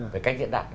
về cách diễn đạt